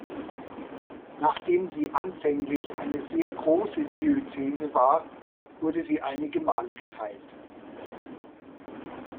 Nachdem sie anfänglich eine sehr große Diözese war, wurde sie einige Male geteilt.